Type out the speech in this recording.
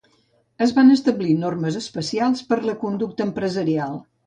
Es van establir normes especials per la conducta empresarial.